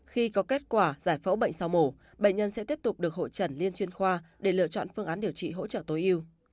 khi có kết quả giải phẫu bệnh sau mổ bệnh nhân sẽ tiếp tục được hội trần liên chuyên khoa để lựa chọn phương án điều trị hỗ trợ tối yêu